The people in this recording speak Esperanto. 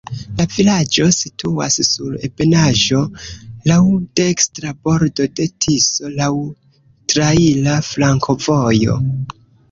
La vilaĝo situas sur ebenaĵo, laŭ dekstra bordo de Tiso, laŭ traira flankovojo.